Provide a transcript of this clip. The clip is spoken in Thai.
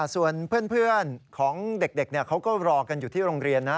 ส่วนเพื่อนของเด็กเขาก็รอกันอยู่ที่โรงเรียนนะ